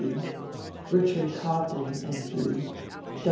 P., Richard Cobden M.